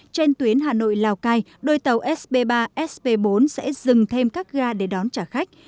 trên tuyến hà nội lào cai đôi tàu sb ba sp bốn sẽ dừng thêm các ga để đón trả khách